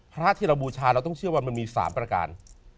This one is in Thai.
พระที่เราบูชาเราต้องเชื่อว่ามันมี๓ประการ